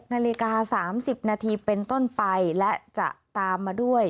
นาฬิกา๓๐นาทีเป็นต้นไปและจะตามมาด้วย